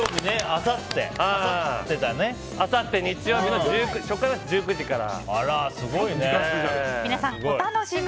あさって日曜日の初回は１９時から。